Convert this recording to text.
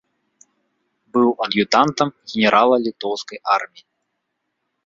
Быў ад'ютантам генерала літоўскай арміі.